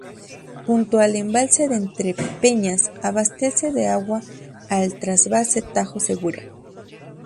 Junto al embalse de Entrepeñas abastece de agua al trasvase Tajo-Segura.